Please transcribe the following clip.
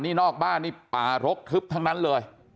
นี่นอกบ้านนี่ป่ารกทึบทั้งนั้นเลย